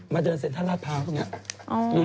มาเดินเซ็นทร์ราดพร้าวตรงนี้